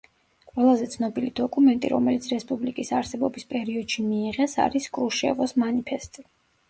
ყველაზე ცნობილი დოკუმენტი, რომელიც რესპუბლიკის არსებობის პერიოდში მიიღეს არის კრუშევოს მანიფესტი.